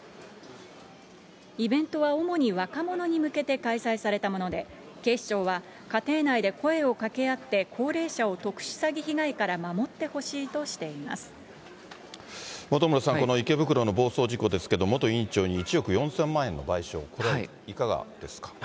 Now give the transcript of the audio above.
イベントは主に若者に向けて開催されたもので、警視庁は家庭内で声をかけ合って、高齢者を特殊詐欺被害から守って本村さん、この池袋の暴走事故ですけれど、元院長に１億４０００万円の賠償、これ、いかがですか。